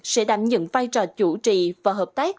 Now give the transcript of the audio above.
sẽ đảm nhận vai trò chủ trì và hợp tác